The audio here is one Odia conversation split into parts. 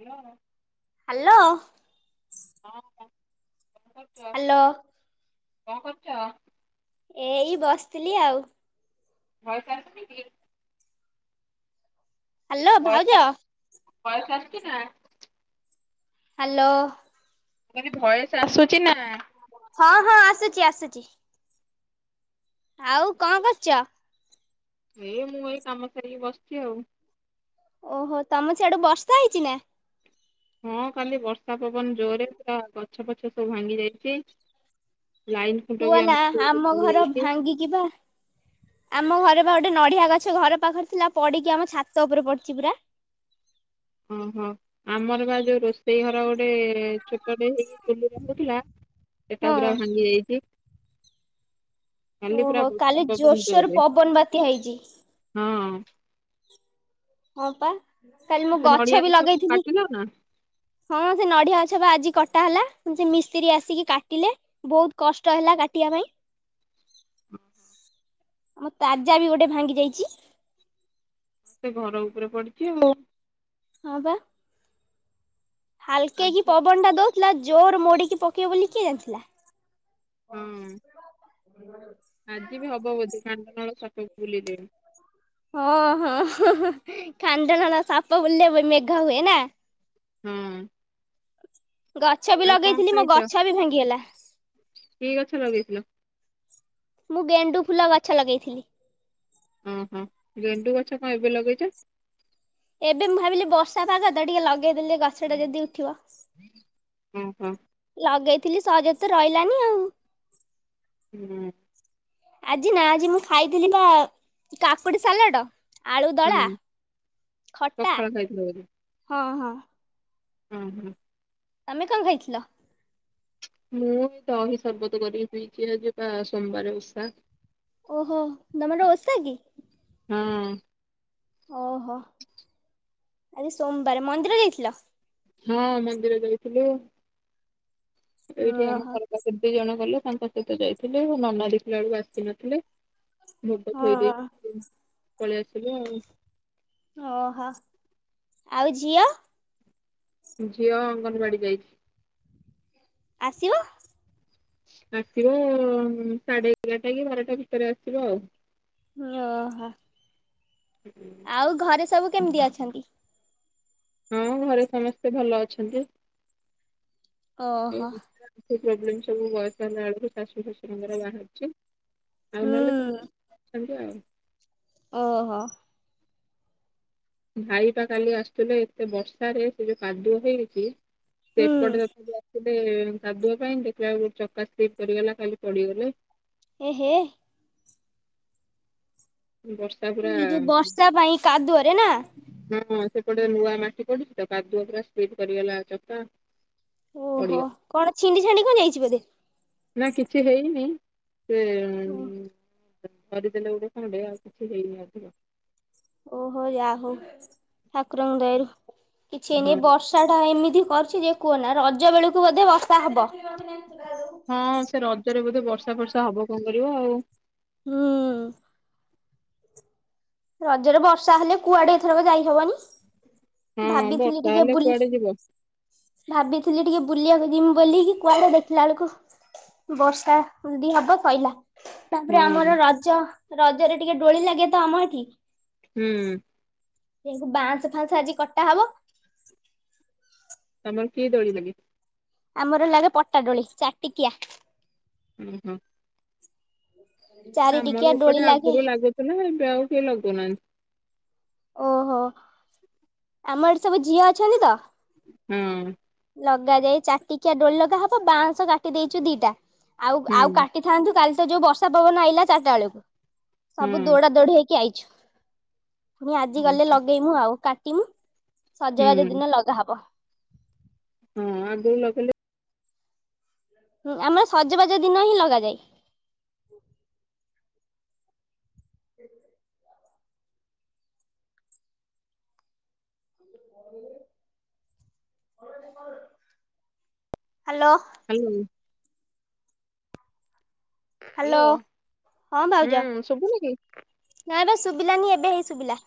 ହ୍ୟାଲୋ। ହ୍ୟାଲୋ। ହଁ ହ। ହାଲୋ। କଣ କରୁଚ। ଏଇ ବସିଥିଲି ଆଉ। ଭଏସ୍ ଆସୁନିକି? ହାଲୋ ଭାଉଜ। ଭଏସ୍ ଆସଛି ନା। ହାଲୋ। ମାନେ ଭଏସ୍ ଆସୁଛି ନା। ହଁ ହଁ ଆସୁଚି ଆସୁଚି। ଆଉ କଁ କରୁଚ। ଏ ମୁଁ ଏଇ କାମ ସାରିକି ବସିଛି ଆଉ। ଓହୋ ତମ ସିଆଡୁ ବର୍ଷା ହେଇଚି ନା। ହଁ କାଲି ବର୍ଷା ପବନ ଜୋରେ ପୁରା ଗଛ ପଛ ସବୁ ଭାଙ୍ଗି ଯାଇଚି। କୁଅ ନା ଆମ ଘର ଯାଇଛି ଭାଙ୍ଗିକି ବା ଆମ ଘରେ ବା ଗୋଟେ ନଡିଆ ଗଛ ଘର ପାଖରେ ଥିଲା, ପଡିକି ଆମ ଛାତ ଉପରେ ପଡିଛି ପୁରା। ଉଁହଁୁ ଆମର ବା ଯୋଉ ରୋଷେଇ ଘର ଗୋଟେ ଛୋଟଟେ ହେଇକି ଚୁଲି ରହୁଥିଲା ସେଟା ପୁରା ହଁ। ଭାଙ୍ଗି ଯାଇଛି। କାଲି ପୁରା ଓହୋ ବର୍ଷା କାଲି ପବନ ଜୋରସୋର ଜୋରରେ ପବନ ବାତ୍ୟା ହେଇଚି। ହଁ ହଁପା। କାଲି ମୁଁ ସେ ନଡିଆ ଗଛ ବି ଲଗେଇଥିଲି, କାଟିଲ ନା ହଁ ସେ ନଡିଆ ଗଛ ବା ଆଜି କଟ୍ କଟା ହେଲା, ମିସ୍ତ୍ରୀ ଆସିକି କାଟିଲେ ବହୁତ କଷ୍ଟ ହେଲା କାଟିବା ପାଇଁ। [inaudible] ମୋ ତାଜା ବି ଗୋଟେ ଭାଙ୍ଗି ଯାଇଚି। ତେ ଘର ଉପରେ ପଡିଛି ଆଉ। ହଁ ବା। ହାଲକ୍ଇକି ଆଜି ପବନଟା ଦୋ ଥିଲା ଜୋର ମୋଡିକି ପକେଇବ ବୋଲି କିଏ ଜାଣିଥିଲା ଓ [inaudible] ହଁ ହୁଁ ଆଜି ବି ହବ ବୋଧି କାଣ୍ଡ ନଳ ସକା ଭଲି ଦିନ ହଁ ହଁ ଖାଦଣାଲା ସାପ ବଲଲେ ଭ ମେଘା ହୁଏ ନା ହୁଁ ଗଛ ବି ଲଗେଇଥିଲି ମୋ ଗଛ ବି ଭାଙ୍ଗିଗଲା ଇଗଛଲଗେଇଥିଲ। ମୁଁ ଗେଣ୍ଡୁ ଫୁଲ ଗଛ ଲଗେଇଥିଲି ଓହୋ ଗେଣ୍ଡୁ ଗଛ କଣ ଏବେ ଲଗେଇଛ, ଏବେ ମୁଁ ଭାବିଲି ବର୍ଷା ପାଗ ତ ଟିକେ ଲଗେଇଦେଲି ଗଛ ଟା ଯଦି ଉଠିବ ହୁଁ ହୁଁ ଅଗେଇଥିଲି ସହଜ ତ ରହିଲାନି ଆଉ ହୁଁ ଆଜି ନା ଆଜି ମୁଁ ଖାଇଥିଲି ବା କାକୁଡି ସାଲାଡ ଆଳୁଦଳା ହୁଁ ଖଟା ପଖାଳ ହଁ ହଁ ହୁଁ ହୁଁ ତମେ କଣ ଖାଇଥିଲ ମୁଁ ଦହି ସର୍ବତ କରି ପିଇଛି ଆଜି ବା ସୋମବାର ଓଷା ଓହୋ ତମର ଓଷା କି ହଁ ଓହୋ ଆରେ ସୋମବାର ମନ୍ଦିର ଯାଇଥିଲ। ହଁ ମନ୍ଦିର ଯାଇଥିଲୁ। ଏଇଠି ଆମ ଓହୋ ଘର ପା କେମିି ଜଣ କଲ ତାଙ୍କ ସହିତ ଯାଇଥିଲେି ନନା ଦେଖିଲା ବେଳକୁ ଆସିନଥିଲେ। ମୁତ ଥୋଇ ହଁ ଦେଇଇଛି, ପଳେଇ ଆସିବୁ ଆଉ ଓହୋ ଆଉ ଝିଅ ଝିଅ ଅଙ୍ଗନବାଡି ଯାଇଛି, ଆସିବ ଆସିବ ସାଢେ ଏଗାରଟା କି ବାରଟା ଭିତରେ ଆସିବ ଆଉ ଓହୋ ହଁ ଆଉ ଘରେ ସବୁ କେମିତି ଅଛନ୍ତି। ହଁ ଘରେ ସମସ୍ତେ ଭଲ ଅଛନ୍ତି। ଓହୋ ପ୍ରୋବ୍ଲେ ସବୁ ବୟସ ହେଲା ବେଳକୁ ଶାଶୁ ଶ୍ୱଶୁରଙ୍କର ବାହାରୁଛି, ଆଉନଲ ହୁଁ ସଜ ଆଉ ଓହୋ ଭାଇ ପା କାଲି ଆସୁଥିଲେ ଏତେ ବର୍ଷାରେ ସେ ଯୋଉ କାଦୁଅ ହେଇଛି ହୁଁ ସେପଟେ ବେଳେ ଆସିଲେ ଗାଧୁଆ ପାଇଁ ଦେଖିଲା ବେଳକୁ ଚକା ସ୍ଲିପ କରିଗଲା କାଲି ପଡିଗଲେ। ଏ ହେ ବର୍ଷା ପୁରା ଏ ଯୋଉ ବର୍ଷା ପାଇଁ କାଦୁଅରେ ନା ହଁ ସେପଟେ ନୂଆ ମାଟି ପଡୁଛି ତ କାଦୁଅ ପୁରା ସ୍ଲିପ୍ କରିଗଲା ଚକା ଓହୋ ପଡିଗଲା। କଣ ଛିଣ୍ଡି ଛାଣ୍ଡି କଣ ଯାଇଛି ବୋଧେ? ନା କିଛି ହେଇନି ସେ କରିଦେଲେ ଗୋଟେ କଣ ଟେ ଆଉ କିଛି ହେଇନି ଅଧିକ ଓହୋ ଆ ହୋ। ଠାକୁରଙ୍କ ଦୟାରୁ କିଛି ହେଇନି ଏଇ ହଁ ବର୍ଷା ଟା ଏମିତି କରିଛି ଯେ କୁହନା ରଜ ବେଳକୁ ବୋଧେ ବର୍ଷା ହବ। ହଁ ସେ ରଜରେ ବୋଧେ ଏବେ ବର୍ଷା ଫର୍ଷା ହବ କଣ କରିବ ଆଉ। ହୁଁ। ରଜରେ ବର୍ଷା ହେଲେ କୁଆଡେ ଏଥରକ ଯାଇ ହବନି। ହଁ ଭାବିଥିଲି ବର୍ଷା ଟିକେ ହେଲେ ବୁଲି କୁଆଡେ ଯିବ ଭାବିି ଥିଲି ଟିକେ ବୁଲିବାକୁ ଯିମି ବୋଲିକି କୁଆଡେ ଦେଖିଲା ବେଳକୁ ବର୍ଷା ଯଦି ହବ ସଇଲା। ହଁ ତାପରେ ଆମର ରଜ ରଜରେ ଟିକେ ଡୋଳି ଲାଗେ ତ ଆମ ଏଠି। ହ ହୁଁ। ସେ ବାଁଶ ଫାଁସ ଆଜି କଟା ହବ। ତମର କି ଦୋଳି ଲାଗେ? ଆମର ଲାଗେ ପଟାଡୋଳି ଚାରିଟିକିଆ। ହୁଁ ହୁଁ। ଚାରି ଟିକିଆ ଆମର ଡୋଳି ଏପଟେ ଲାଗେ ଆଗରୁ ଲାଗୁଥିଲା ଏବେ ଆଉ କେହି ଲଗଉନାହାଁନ୍ତି। ଆମର ସବୁ ଝିଅ ଅଛନ୍ତି ତ ହଁ। ଲଗାଯାଏ ଚାରିଟିକିଆ ଡୋଳି ଲଗା ହବ ବାଉଁଶ କାଟି ଦେଇଛୁ ଦିଟା ଆଉ ହୁଁ ଆଉ କାଟିଥାନ୍ତୁ କାଲି ଏ ତ ଯୋଉ ବର୍ଷା ପବନ ଆଇଲା ଚାରିଟା ବେଳକୁ ସବୁ ହଁ ଦୌଡା ଦୋଡି ହେଇ କି ଆଇଛୁ। ପୁଣି ଆଜି ଗଲେ ହଁ ଲଗେଇମୁ ଆଉ କା ଟିଂ ସଜବାଜ ହୁଁ ଦିନ ଲଗା ହବ। ହଁ ଆଗୁରୁ ଲଗେଇଲେ ହୁଁ ଆମର ସଜବାଜ ଦିନ ହିଁ ଲଗାଯାଏ। ହାଲୋ। ହାଲୋ। ହାଲୋ। ହଁ ହୁଁ ଶୁଭୁନି କି? ଶୁବିଲାନି ଏବେ ହେଇ ଶୁବିଲା।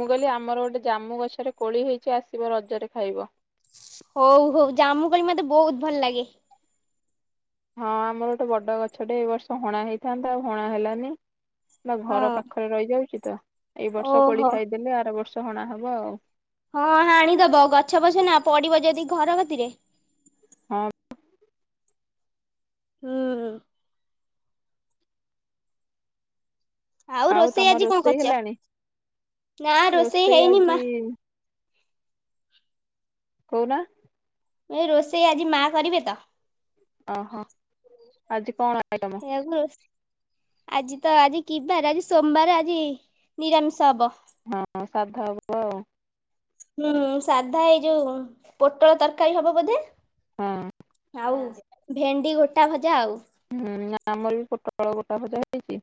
ମୁଁ କଇଲି ଆମର ଗୋଟେ ଜାମୁ ଗଛରେ କୋଳି ହେଇଚି ଆସିବ ରଜରେ ଖାଇବ। ହୋଉ ହୋଉ ଜାମୁ କୋଳି ମତେ ବୋହୁତ ଭଲ ଲାଗେ। ହଁ ଆମର ଗୋଟେ ବଡ ଗଛଟେ ଏଇ ବର୍ଷ ହଣା ହେଇଥାନ୍ତା ଆଉ ହଣା ହେଲାନି। ନାଁ ଘର ହଁ। ପାଖରେ ରହି ଯାଉଚି ତ। ଏଇ ବର୍ଷ କୋଳି ଓହୋ ଖାଇଦେଲେ ଆର ବର୍ଷ ହଣା ହବ ଆଉ। ହଁ ହାଣିଦବ ଗଛ ବଛ ନାଁ ପଡ଼ିବ ଯଦି ଘର କତିରେ ହଁ। ହୁଁ। ଆଉ ରୋଷେଇ ଆଜି କଣ କରଚ ନାଁ ରୋଷେଇ ହେଇନି ମା କଉନା। ଏ ରୋଷେଇ ଆଜି ମା କରିବେ ତ। ଓହୋ ଆଜି କଣ ଆଇଟମ? ସେଇଆକୁ ଆଜି ତ ଆଜି କି ବାର ଆଜି ସୋମବାର ଆଜି ନିରାମିଷ ହବ। ହଁ ସାଧା ହବ ଆଉ। ହୁଁ ସାଧା ଏଇ ଯୋଉ ପୋଟଳ ତରକାରୀ ହବ ବୋଧେ। ହଁ ଆଉ ଭେଣ୍ଡି ଗୋଟା ଭଜା ଆଉ। ହୁଁ ନାଁ ଆମର ବି ପୋଟଳ ଗୋଟା ଭଜା ହଉଚି।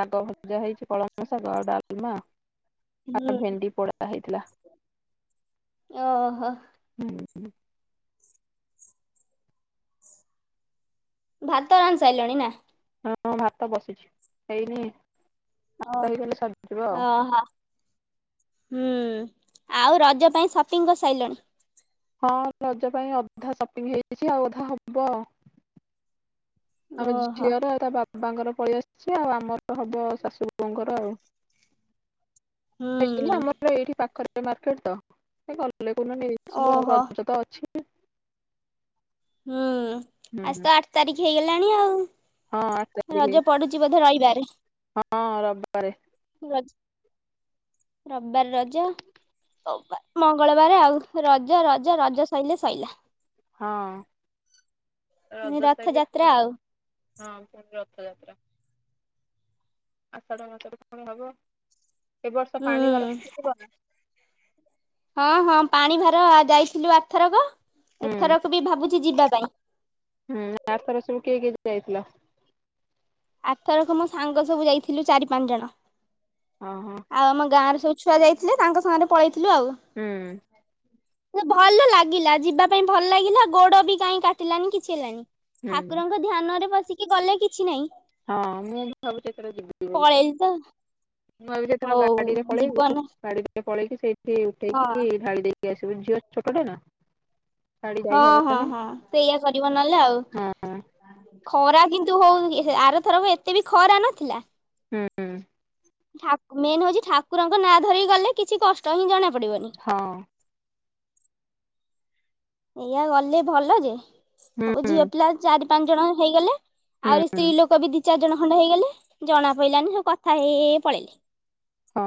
ଶାଗ ଭଜା ହେଇଚି କଳମ ଶାଗ ଆଉ ଡାଲମା ଆଉ ହୁଁ। ଭେଣ୍ଡି ପୋଡ଼ା ହେଇଥିଲା। ଓହୋ। ହୁଁ। ଭାତ ରାନ୍ଧି ସାଇଲଣି ନାଁ? ହଁ ଭାତ ବସିଛି ହେଇନି। ଓ ଭାତ ହେଇଗଲେ ସରିଯିବ ଅ ଆଉ ହ ହୁଁ। ଆଉ ରଜ ପାଇଁ ସପିଂ କରିସାଇଲଣି? ହଁ ରଜ ପାଇଁ ଅଧା ସପିଂ ହେଇଛି ଆଉ ଅଧା ହବ ଆଉ। ଆମ ଓହୋ ଝିଅର ଆଉ ତା ବା ବାବାଙ୍କର ପଲେଇ ଆସିଛି ଆଉ ଆମର ହବ ଶାଶୁ ବୋହୁଙ୍କର ଆଉ। ହୁଁ ହେଇନି ଆମର ତ ଏଇଠି ପାଖରେ ଏ ମାର୍କେଟ ତ ହେ କା ଗଲେ କୋଉଦିନ ନେଇଆସିବୁ ଆଉ ଓହୋ ରଜ ତ ଅଛି। ହୁଁ। ହୁଁ ଆଯି ହୁଁ। ତ ଆଠ ତାରିଖ ହେଇଗଲାଣି ହଁ ଆଠ ଆଉ ତାରିଖ ରଜ ପଡୁଛି ବୋଧେ ରଇବାର। ଏ। ହଁ ରବିବାରେ। ରଜ ରବିବାର ରଜ ମଙ୍ଗଳବାରେ ଆଉ ରଜ ରଜ ରଜ ସଇଲେ ସଇଲା। ହଁ ରଜ ସଇଲେ ରଥଯାତ୍ରା ପୁଣି ଆଉ ହଁ ପୁଣି ରଥଯାତ୍ରା ଆଷାଢ ମାସରେ ପୁଣି ହବ। ଏ ବର୍ଷ ହୁଁ ପାଣି ଭାର ନେଇକି ଜିବ ନା? ହଁ ହଁ ପାଣି ଭାର ଯାଇଥିଲୁ ଆ ଥରକ। ହୁଁ ଏଥରକ ବି ଭାବୁଛି ଯିବା କାଇଁ ହୁଁ ଆଥର ସବୁ କିଏ କିଏ ଯାଇଥିଲ? ଆର ଥରକ ମୋ ସାଙ୍ଗ ସବୁ ଯାଇଥିଲୁ ଚାରି ପାଞ୍ଚ ଜଣ। ହଁ ହଁ। ଆଉ ଆମ ଗାଁରେ ସବୁ ଛୁଆ ଯାଇଥିଲେ ତାଙ୍କ ସାଙ୍ଗରେ ପଳେଇଥି ହୁଁ। କିନ୍ତୁ ଭଲ ଲାଗିଲା ଯିବା ପାଇଁ ଭଲ ଲାଗିଲା ଗୋଡ ବି କାଇଁ କାଟିଲାନି କିଛି ହେଲାନି। ହୁଁ ଠାକୁରଙ୍କ ଧ୍ୟାନରେ ବ ସେଠିକି ଗଲେ କିଛି ନାହିଁ। ହଁ ମୁଁ ବି ଭାବୁଛି ଏଥର ଯିବି ବୋଲି। ପଳେଇଲି ତ ମୁଁ ଭାବିବି ଯେତେବେଳେ ହଉ ଗାଡିରେ ପଳେଇବୁ ଜୀବନ ଗାଡିରେ ପଳେଇି ସେଇ ସେ ଉଠେ ହଁ କି ଢାଳି ଝିଅ ଛୋଟ ଟା ନା। ଗାଡି ହଁ ଯାଇ ହଁ ହବନି ହଁ ସେଇଆ କରିବ ନହେଲେ ଆଉ। ହଁ ଖରା କିନ୍ତୁ ହଉ ଆରଥର ଏତେ ବି ଖରା ନଥିଲା। ହୁଁ। ମେନ୍ ହଉଛି ଠାକୁରଙ୍କ ନାଁ ଧରିକି ଗଲେ କିଛି କଷ୍ଟ ହିଁ ଜଣା ପଡିବନି। ହଁ। ଏଇଆ ଗଲେ ଭଲ ଯେ ହୁଁ ସବୁ ଝିଅ ପିଲା ଚାରି ପାଞ୍ଚ ଜଣ ହେଇଗଲେ ହୁଁ ଆହୁରି ସ୍ତ୍ରୀ ଲୋକ ବି ଦି ଚାରି ଜଣ ଖଣ୍ଡେ ହେଇଗଲେ ଜଣା ପ‌ଇଲାନି ସବୁ କଥା ହେଇ ହେଇ ପଳେଇଲେ। ହଁ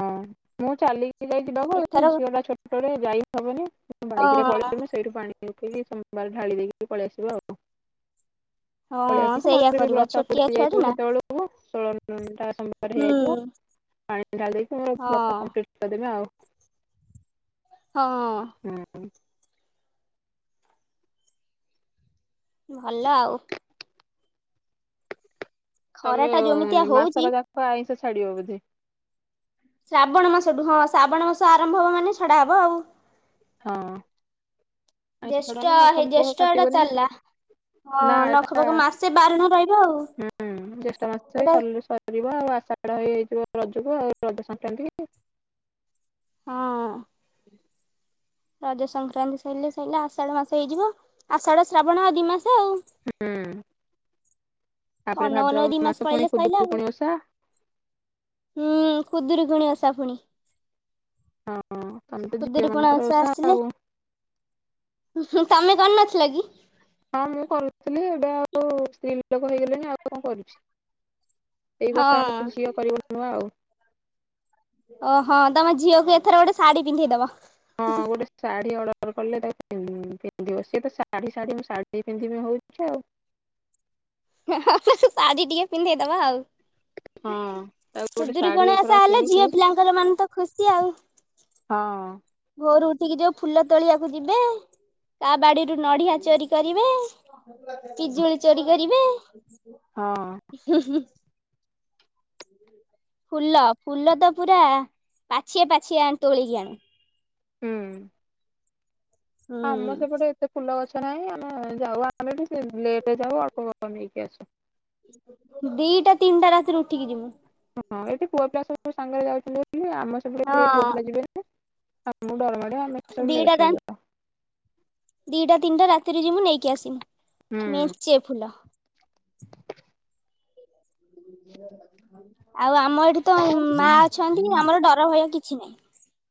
ମୁଁ ଚାଲିକି ଯା‌ହି ଯିବାକୁ ଏଥର ଝିଅଟା ଛୋଟ‌ଟେ ଯାଇ ହବନି ବାଇକରେ ହଁ ପଳେଇମୁ ସେଇଠୁ ପାଣି ଦେଖିକି ସୋମବାର ଢାଳି ଦେଇକି ପଳେଇ ଆସିବ ଆଉ ପଳେଇ ହଁ ଆସିବୁ ସେଇଆ ମୋର ବି କରିବ ବ୍ରତ ପୁରା ଛୋଟିଆ ହେଇ ଛୁଆଟେ ଯାଇଥିବ ନା ସେତେବେଳକୁ [inaudible] ହୁଁ [inaudible] ପାଣି କରିକି ହଁ ବ୍ରତ କମ୍ପଲିଟ୍ କରି [inaudible] ହଁ। ଭଲ ଆଉ। ଖରା ତମେ ଟା ଯେମିତିଆ ହଉଛି ମାସଟା ଯାକ ଆଇଁଷ ଛା ଛାଡିବ ବୋଧେ। ଶ୍ରାବଣ ମାସଠୁ ହଁ ଶ୍ରାବଣ ମାସ ଆରମ୍ଭ ହବ ମାନେ ଛଡା ହବ ଆଉ। ହଁ ଆଇଁଷ ଜେଷ୍ଠ ଛଡାହବ ନଖ ହେଇ ଫଖ ଜେଷ୍ଠ ଏଟା କାଟିବନି ଚାଲିଲା। ହଁ ନା ନଖ ଏଇଟା ପଖ ମାସେ ବାରଣ ରହିବ ଆଉ। ଏଟା ହେଇଯିବ ଆଉ ଆଶାଢା ହେଇ ଯିବ ରଜକୁ ଆଉ ରଜ ସଂକ୍ରାନ୍ତିକି। ହଁ। ରଜ ସଂକ୍ରାନ୍ତି ସ‌ଇଲେ ସଇଲା ଆଷାଢ ମାସ ହେଇଯିବ ଆଷାଢ ଶ୍ରାବଣ ଆଉ ଦି ମାସ ହୁଁ ତାପରେ ଅନୋଉ ଅନୋଉ ଭାଦ୍ରବ ଦି ମାସ ପୁଣି ପଳେଇଲେ ସଇଲା ଆଉ। ଖୁଦୁରୁକୁଣୀ ଓଷା ହୁଁ। ଖୁଦୁରୁକୁଣୀ ଓଷା ପୁଣି। ହଁ ତମେ ତ ଝିଅ ଖୁଦୁରୁକୁଣୀ ମାନଙ୍କର ଓଷା ଆସିଲେ ଆଉ। ତମେ କରିନଥିଲ କି? ହଁ ମୁଁ କରୁଥିଲି ଏବେ ଆଉ ସ୍ତ୍ରୀ ଲୋକ ହେଇଗଲିଣି ଆଉ କଣ କରୁଚି। ଏଇ ବର୍ଷ ଆମେ ହଁ। ଝିଅ କରିବ ନୁଆ ଆଉ। ଓହୋ ତମ ଝିଅକୁ ଏଥର ଗୋଟେ ଶାଢୀ ପିନ୍ଧେଇଦବ। ହଁ ଗୋଟେ ଶାଢ଼ୀ ଅର୍ଡର କଲେ ତା ହୁଁ ପିନ୍ଧିବ ସିଏତ ଶାଢ଼ୀ ଶାଢୀ ମୁଁ ଶାଢୀ ପିନ୍ଧିବି ହଉଚି ଆଉ। ଶାଢ଼ୀ ଟିକେ ପିନ୍ଧେଇଦବ ଆଉ। ହଁ ତାକୁ ଗୋଟେ ଶାଢୀ ଖୁଦୁରୁକୁଣୀ ଓଷା ଏଥର ହେଲେ ଝିଅ କିଣିକି ପିଲାଙ୍କର ମାନେ ତ ଖୁସି ଆଉ। ହଁ ଭୋରୁ ଉଠିକି ଯୋଉ ଫୁଲ ତୋଳିବାକୁ ଯିବେ କା ବାଡିରୁ ନଡିଆ ଚୋରି କରିବେ। ପିଜୁଳି ଚୋରି କରିବେ। [unintelligible] ହଁ [unintelligible] ଫୁଲ ଫୁଲ ତ ପୁରା ପାଛିଏ ପାଛିଏ ଆ ତୋଳିକି ଆଣୁ। ହୁଁ। ଆମ ହୁଁ ସେପଟେ ଏତେ ଫୁଲ ଗଛ ଗଛ ନାଇଁ ଆମେ ଯାଉ ଆମେ ବି ସେ ଲେଟରେ ଯାଉୁ ଅଳ୍ପ ଅଳ୍ପ ନେଇକି ଆସୁ। ଦିଟା ତିନିଟା ରାତିରେ ଉଠିକି ଯିବୁ। ହଁ ଏଠି ପୁଅ ପିଲା ସହିତ ସାଙ୍ଗରେ ଯାଉଥିଲି। କିନ୍ତୁ ଆମ ସେପଟେ କେହି ପୁଅ ହଁ ପିଲା ଯିବେ ନାହି। ଆମକୁ ଡର ମାରେ ତୁମେ ଦିଟା ତା ମିଛ [inaudible] ଦିଟା ତିନିଟା ରାତିରେ ଯିବୁ ନେଇକି ହୁଁ। ଆସିମି। ମେଞ୍ଚେ ଫୁଲ। [inaudible] [inaudible] ଆଉ ଆମ ଏଠି ତ ମା ଅଛନ୍ତି ଆମର ଡର ଭୟ କି କିଛି ନାଇ